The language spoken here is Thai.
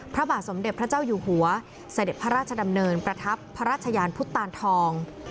พระบาทสมเด็จพระเจ้าอยู่หัวเสด็จพระราชดำเนินประทับพระราชยานพุทธตานทอง